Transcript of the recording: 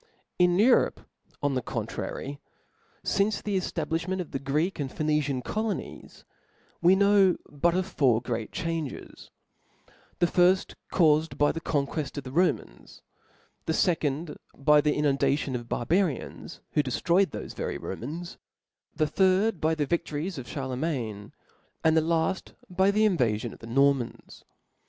Chap. ^ In Europe, on the contrary, fince the eftablifh ment of the Greek and Phoenician cplonies we; know but of four great changes 5 the firft caufed by the qonqucft of the Romans; the fecond by the inundation of barbarians, who deftroyed thpfe very Romans j the third by the viftories of Charle niain 5 and the la ft by the invafions of the Nor mans.